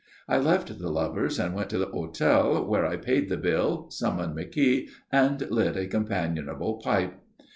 I left the lovers and went to the hotel, where I paid the bill, summoned McKeogh, and lit a companionable pipe.